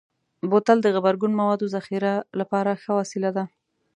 بوتل د غبرګون موادو ذخیره لپاره ښه وسیله ده.